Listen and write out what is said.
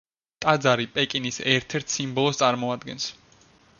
ტაძარი პეკინის ერთ-ერთ სიმბოლოს წარმოადგენს.